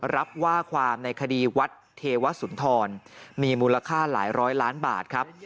รับว่าความในคดีวัดเทวสุนทรมีมูลค่าหลายร้อยล้านบาทครับ